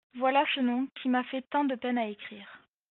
Voilà ce nom qui m''a fait tant de peine à écrire.